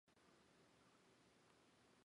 卫讯电讯曾成为以下多套电影的赞助商。